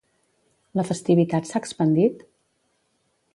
La festivitat s'ha expandit?